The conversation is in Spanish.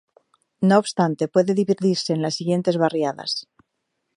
No obstante, puede dividirse en las siguientes barriadas.